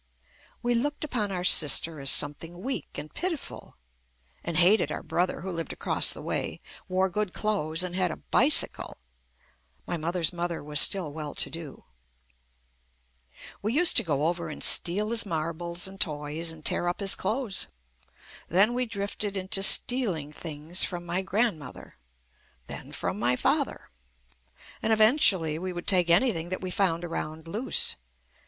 We looked upon our sister as something weak and pitiful and hated our brother, who lived across the way, wore good clothes and had a bicycle (my mother's mother was still well to do) . We used to go over and steal his marbles and toys and tear up his JUST ME clothes. Then we drifted into stealing things from my grandmother; then from my father; and eventually we would take anything that we found around loose.